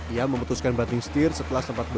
ia memutuskan batin setir setelah sempat berpengalaman